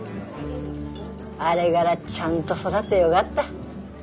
あれがらちゃんと育ってよがった。